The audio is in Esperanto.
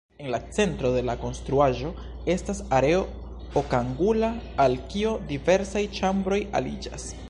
En la centro de la konstruaĵo estas areo okangula, al kio diversaj ĉambroj aliĝas.